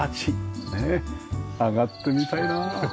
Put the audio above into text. ねえ上がってみたいなあ。